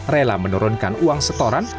rela menurunkan uang setoran